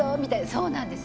そうなんです。